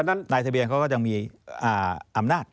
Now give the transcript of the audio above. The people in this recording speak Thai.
นายทะเบียนก็จะมีอำนาจ